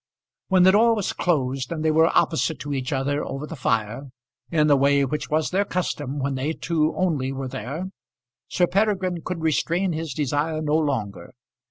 When the door was closed, and they were opposite to each other over the fire, in the way which was their custom when they two only were there, Sir Peregrine could restrain his desire no longer.